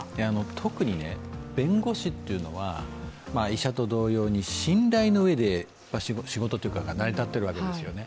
特に弁護士っていうのは医者と同様に信頼の上で仕事とかが成り立っているわけですよね。